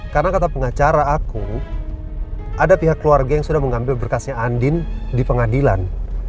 karena kata pengacara aku ada pihak keluarga yang sudah mengambil berkasnya andin di pengadilan